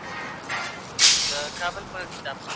بهرنۍ پاليسۍ د ملي ګټو د ساتلو له پاره جوړېږي.